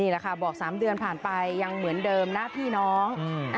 แหละค่ะบอก๓เดือนผ่านไปยังเหมือนเดิมนะพี่น้อง